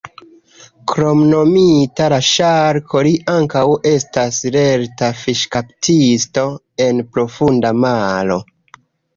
Kromnomita "La Ŝarko", li ankaŭ estas lerta fiŝkaptisto en profunda maro.